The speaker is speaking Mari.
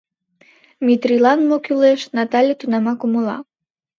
Метрийлан мо кӱлеш — Натале тунамак умыла.